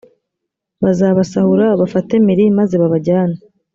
bazabasahura babafate mpiri maze babajyane